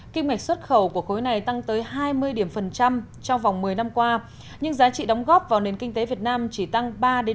kim ngạch xuất khẩu của khối này tăng tới hai mươi trong vòng một mươi năm qua nhưng giá trị đóng góp vào nền kinh tế việt nam chỉ tăng ba bốn